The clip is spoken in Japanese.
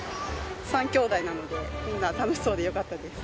３兄弟なので、みんな楽しそうでよかったです。